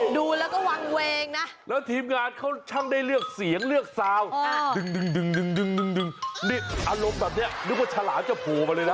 ดูแล้วก็วางเวงนะแล้วทีมงานเขาช่างได้เลือกเสียงเลือกซาวดึงอารมณ์แบบนี้นึกว่าฉลามจะโผล่มาเลยนะ